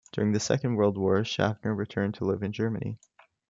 During the Second World War Schaffner returned to live in Germany.